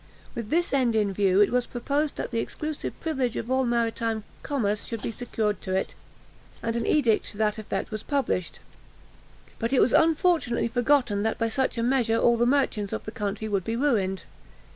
With this end in view, it was proposed that the exclusive privilege of all maritime commerce should be secured to it, and an edict to that effect was published. But it was unfortunately forgotten that by such a measure all the merchants of the country would be ruined.